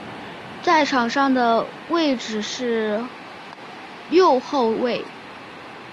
在场上的位置是右后卫。